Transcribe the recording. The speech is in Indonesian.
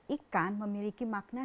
ikan memiliki makna